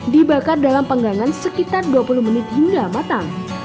dibakar dalam penggangan sekitar dua puluh menit hingga matang